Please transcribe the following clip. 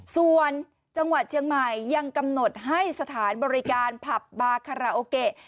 ส่วนจังหวัดเชียงใหม่ยังกำหนดให้สถานบริการผับบาคาราโอเกะ